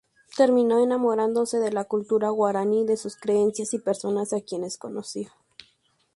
Terminó enamorándose de la cultura guaraní, de sus creencias y personas a quienes conoció.